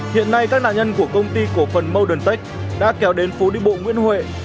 hiện nay các nạn nhân của công ty cổ phần modentech đã kéo đến phố đi bộ nguyễn huệ